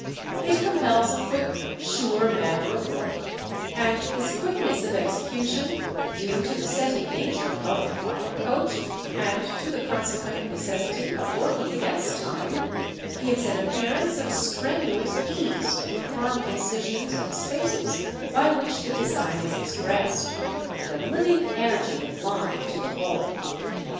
It compels a quick, sure manner of work; and this quickness of execution, due to the setting nature of the final coat, and to the consequent necessity of working against time, gives an appearance of strenuous ease to the firm incisions and spaces by which the design is expressed, and a living energy of line to the whole.